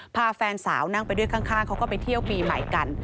แฟนสาวนั่งไปด้วยข้างเขาก็ไปเที่ยวปีใหม่กัน